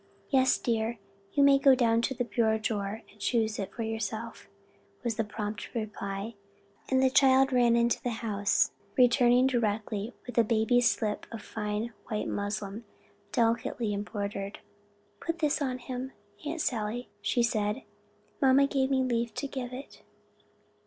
"Yes, dear, you may go to the bureau drawer and choose it yourself," was the prompt reply, and the child ran into the house, returning directly with a baby's slip of fine white muslin, delicately embroidered. "Put this on him, Aunt Sally," she said; "mamma gave me leave to get it."